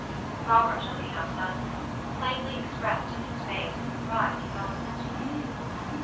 Robert, looking up suddenly, plainly expressed in his face the surprise he felt at these words.